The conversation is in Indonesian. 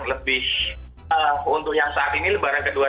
lebih untuk yang saat ini lebaran kedua